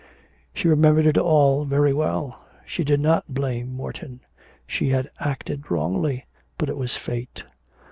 She remembered it all very well. She did not blame Morton. She had acted wrongly, but it was fate.